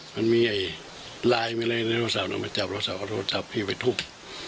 มันมีไลน์มีอะไรในโทรศัพท์นั้นมาจับโทรศัพท์เอาโทรศัพท์พี่ไปทุบ